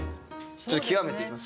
ちょっと極めていきます